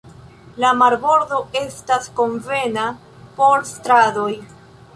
La marbordo estas konvena por strandoj.